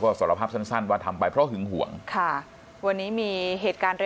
สารภาพสั้นสั้นว่าทำไปเพราะหึงห่วงค่ะวันนี้มีเหตุการณ์ระ